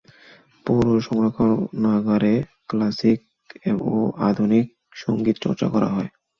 পৌর সংরক্ষণাগারে ক্লাসিক ও আধুনিক সংগীত চর্চা করা হয়।